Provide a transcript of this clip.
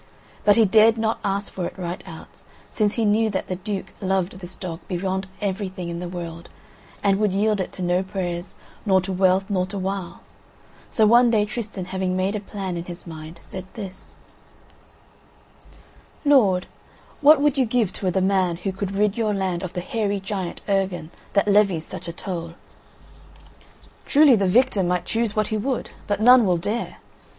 But he dared not ask for it right out since he knew that the Duke loved this dog beyond everything in the world, and would yield it to no prayers, nor to wealth, nor to wile; so one day Tristan having made a plan in his mind said this: "Lord, what would you give to the man who could rid your land of the hairy giant Urgan, that levies such a toll?" "Truly, the victor might choose what he would, but none will dare."